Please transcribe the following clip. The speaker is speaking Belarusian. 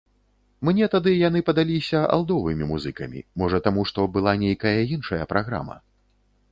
Мне тады яны падаліся алдовымі музыкамі, можа таму, што была нейкая іншая праграма.